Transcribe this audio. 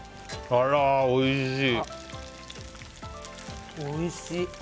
あら、おいしい！